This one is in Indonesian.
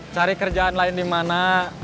cari kerjaan lain di mana